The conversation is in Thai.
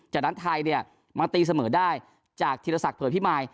จากนั้นไทยเนี่ยมาตีเสมอได้จากธีรศักดิเผยพิมาย